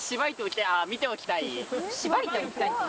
あぁ見ておきたい。